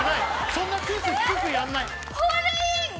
そんなトゥース低くやんない。